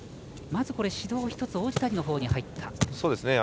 まず指導１つ王子谷のほうに入った。